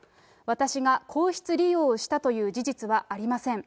私が皇室利用をしたという事実はありません。